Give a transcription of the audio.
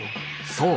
そう！